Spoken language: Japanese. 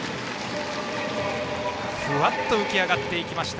ふわっと浮き上がっていきました。